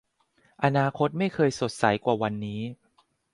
อนาคตไม่เคยสดใสกว่าวันนี้